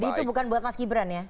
jadi itu bukan buat mas gibran ya